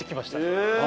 え！